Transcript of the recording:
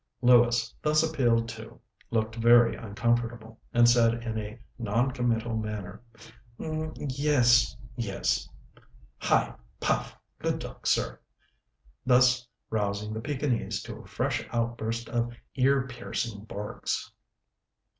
Lewis, thus appealed to, looked very uncomfortable, and said in a non committal manner: "H'm, yes, yes. Hi! Puff! good dog, sir!" thus rousing the Pekinese to a fresh outburst of ear piercing barks.